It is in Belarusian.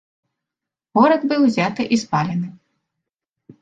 Горад быў узяты і спалены.